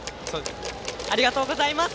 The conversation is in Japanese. ありがとうございます。